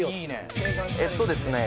えっとですね